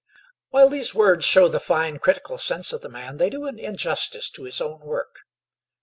While these words show the fine critical sense of the man, they do an injustice to his own work.